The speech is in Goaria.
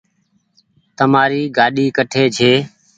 تمآري گآڏي ڪٺي ڇي